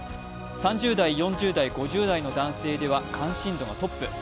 ３０代、４０代、５０代の男性では関心度がトップ。